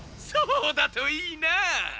そうだといいな！